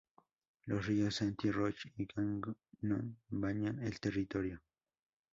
Los ríos Saint-Roch y Gagnon bañan el territorio.